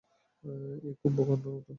এই কুম্ভকর্ণ, ওঠ!